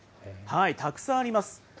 たくさんあります。